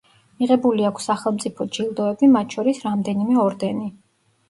მიღებული აქვს სახელმწიფო ჯილდოები, მათ შორის რამდენიმე ორდენი.